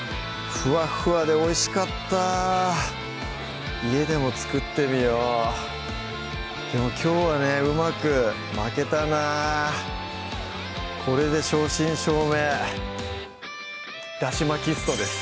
ふわっふわでおいしかった家でも作ってみようでもきょうはねうまく巻けたなこれで正真正銘だし巻きストです